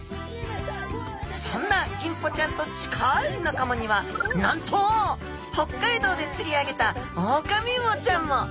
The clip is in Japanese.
そんなギンポちゃんと近い仲間にはなんと北海道で釣り上げたオオカミウオちゃんも！